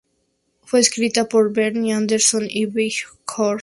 Fue escrita por Benny Anderson y Bjorn.